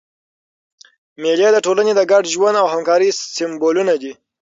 مېلې د ټولني د ګډ ژوند او همکارۍ سېمبولونه دي.